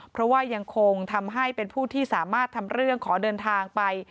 เพราะว่ายังคงทำให้เป็นผู้ที่สามารถทำเรื่องขอเดินทางไป